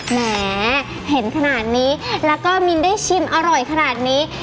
แหมเห็นขนาดนี้แล้วก็มินได้ชิมอร่อยขนาดนี้